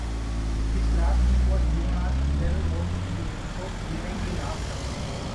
His last name was given as "Del Roy" in the episode "Behind the Laughter".